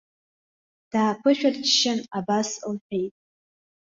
Дааԥышәырччан, абас лҳәеит.